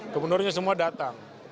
gubernurnya semua datang